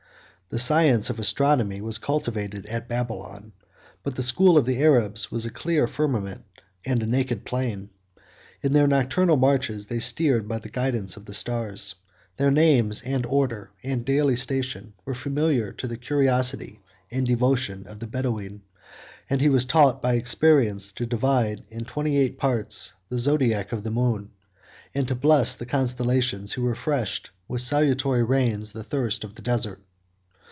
The science of astronomy was cultivated at Babylon; but the school of the Arabs was a clear firmament and a naked plain. In their nocturnal marches, they steered by the guidance of the stars: their names, and order, and daily station, were familiar to the curiosity and devotion of the Bedoween; and he was taught by experience to divide, in twenty eight parts, the zodiac of the moon, and to bless the constellations who refreshed, with salutary rains, the thirst of the desert.